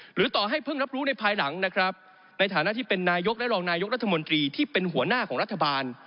หรือต่อให้เพิ่งรับรู้ในภายหลังนะครับในฐานะที่เป็นนายกและรองนายกรัฐมนตรีที่เป็นหัวหน้าของรัฐบาล